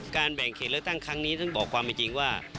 แบ่งเขตเลือกตั้งครั้งนี้ท่านบอกความเป็นจริงว่า